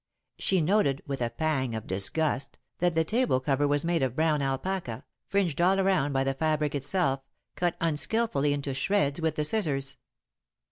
She noted, with a pang of disgust, that the table cover was made of brown alpaca, fringed all around by the fabric itself, cut unskilfully into shreds with the scissors.